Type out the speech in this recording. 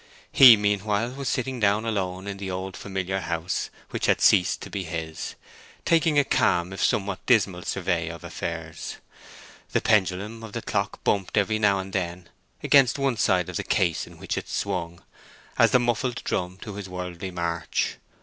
He, meanwhile, was sitting down alone in the old familiar house which had ceased to be his, taking a calm if somewhat dismal survey of affairs. The pendulum of the clock bumped every now and then against one side of the case in which it swung, as the muffled drum to his worldly march.